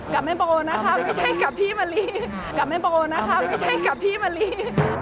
กับแม่โบนะคะไม่ใช่กับพี่มะลี